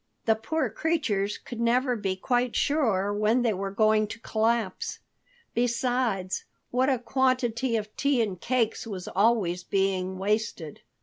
The poor creatures could never be quite sure when they were going to collapse. Besides, what a quantity of tea and cakes was always being wasted!